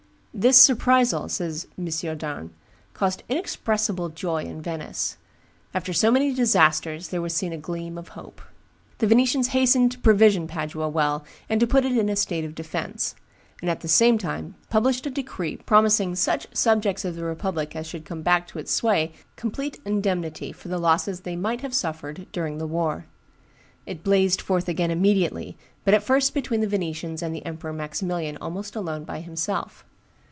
"This surprisal," says M. Darn, "caused inexpressible joy in Venice; after so many disasters there was seen a gleans of hope." The Venetians hastened to provision Padua well and to put it in a state of defence; and they at the same time published a decree promising such subjects of the republic as should come back to its sway complete indemnity for the losses they might have suffered during the war. It blazed forth again immediately, but at first between the Venetians and the Emperor Maximilian almost alone by himself.